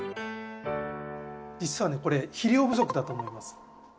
じつはねこれ肥料不足だと思います。